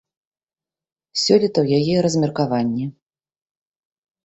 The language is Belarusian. Сёлета ў яе размеркаванне.